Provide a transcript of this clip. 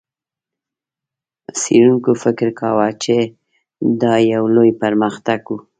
څېړونکو فکر کاوه، چې دا یو لوی پرمختګ و.